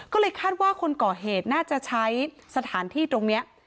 ก็เลยคาดว่าคนก่อเหตุน่าจะใช้สถานที่ตรงนี้